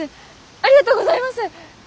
ありがとうございます！